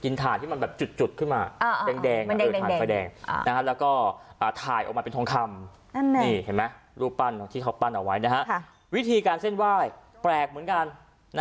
แล้วก็ถ่ายออกมาเป็นทองคร่ำวิธีการเส้นไหว้แปลกเหมือนกัน